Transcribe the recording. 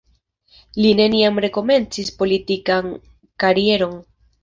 Li neniam rekomencis politikan karieron.